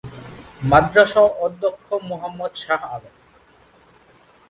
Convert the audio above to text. মাদ্রাসার অধ্যক্ষ মোহাম্মদ শাহ আলম।